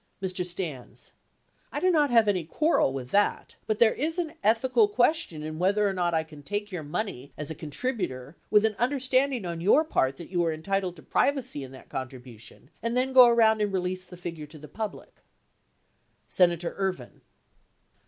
Mr. Stans. I do not have any quarrel with that, but there is an ethical question in whether or not I can take your money as a contributor with an understanding on your part that you are entitled to privacy in that contribution and then go around and release the figure to the public. Senator Ervin.